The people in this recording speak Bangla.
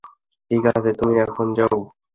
ঠিক আছে, তুমি এখন যাও।